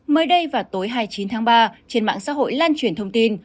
mới đây vào tối hai mươi chín tháng ba trên mạng xã hội lan truyền thông tin